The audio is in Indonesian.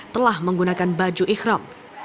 telah menggunakan baju ikhram